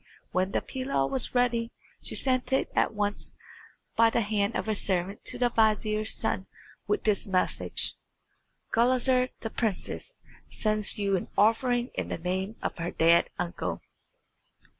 When the pilaw was ready she sent it at once by the hand of a servant to the vizier's son with this message: "Gulizar, the princess, sends you an offering in the name of her dead uncle."